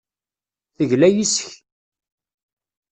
Tegla yes-k.